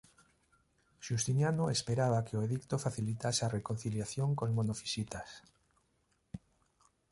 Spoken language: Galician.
Xustiniano esperaba que o edicto facilitase a reconciliación cos monofisitas.